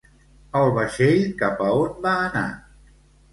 El vaixell cap a on va anar?